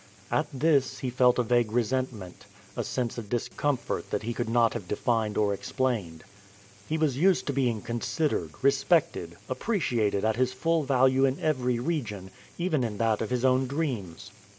At this he felt a vague resentment, a sense of discomfort that he could not have defined or explained. He was used to being considered, respected, appreciated at his full value in every region, even in that of his own dreams.